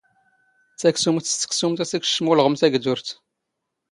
ⵜⴰⴽⵙⵓⵎⵜ ⵙ ⵜⴽⵙⵓⵎⵜ ⴰ ⵙ ⵉⴽⵛⵛⵎ ⵓⵍⵖⵎ ⵜⴰⴳⴷⵓⵔⵜ